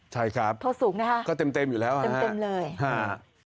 ใช่ครับเพราะสูงนะคะเต็มอยู่แล้วนะฮะฮ่า